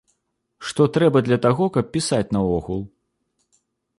Што трэба для таго, каб пісаць наогул?